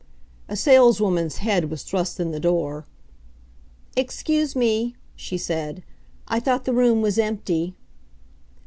A saleswoman's head was thrust in the door. "Excuse me," she said, "I thought the room was empty."